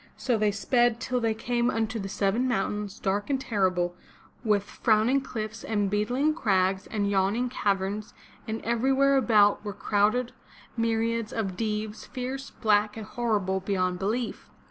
So they sped till they came 446 FROM THE TOWER WINDOW unto the Seven Mountains, dark and terrible, with frowning cliffs and beetling crags and yawning caverns, and every where about were crowded myr iads of Deevs, fierce, black and horrible beyond belief.